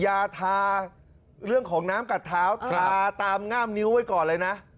ยาทาเรื่องของน้ำกัดเท้าทาตามง่ามนิ้วไว้ก่อนเลยนะ